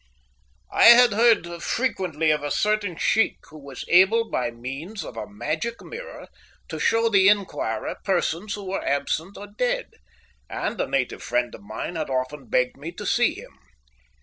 "I had heard frequently of a certain shiekh who was able by means of a magic mirror to show the inquirer persons who were absent or dead, and a native friend of mine had often begged me to see him.